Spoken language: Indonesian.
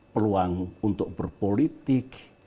peluang untuk berpolitik